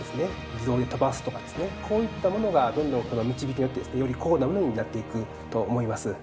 自動で飛ばすとかですねこういったものがどんどんこのみちびきによってより高度なものになっていくと思います。